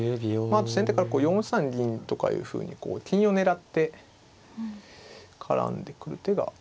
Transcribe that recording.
あと先手から４三銀とかいうふうに金を狙って絡んでくる手が気になりますね。